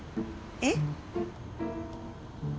えっ？